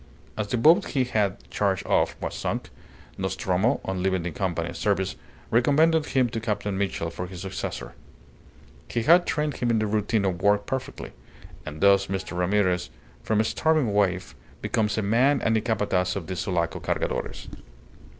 As the boat he had charge of was sunk, Nostromo, on leaving the Company's service, recommended him to Captain Mitchell for his successor. He had trained him in the routine of work perfectly, and thus Mr. Ramirez, from a starving waif, becomes a man and the Capataz of the Sulaco Cargadores."